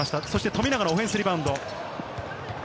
富永のオフェンスリバウンド。